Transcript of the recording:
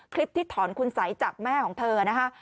ที่ถอนคุณสัยจากแม่ของเธอนะคะ